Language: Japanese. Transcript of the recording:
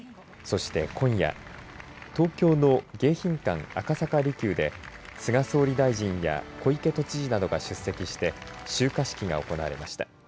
そして今夜東京の迎賓館赤坂離宮で菅総理大臣や小池都知事などが出席して集火式が行われました。